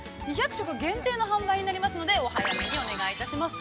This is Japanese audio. ２００食限定の販売になりますのでお早めにお願いいたします。